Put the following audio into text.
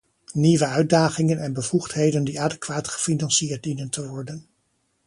Nieuwe uitdagingen en bevoegdheden die adequaat gefinancierd dienen te worden.